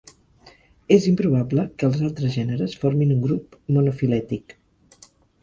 És improbable que els altres gèneres formin un grup monofilètic.